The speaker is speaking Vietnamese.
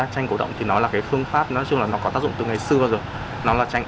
tranh cổ động thì nó là cái phương pháp nói chung là nó có tác dụng từ ngày xưa vừa rồi nó là tranh